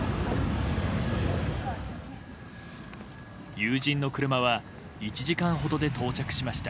友人の車は１時間ほどで到着しました。